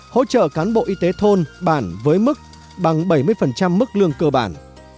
hỗ trợ cán bộ y tế thôn bản với mức bằng bảy mươi mức lương cơ bản